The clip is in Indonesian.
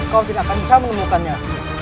kalau tidak akan bisa menemukannya